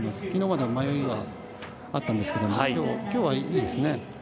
きのうまでは迷いがあったんですけどきょうは、いいですね。